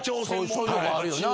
そういうとこあるよな。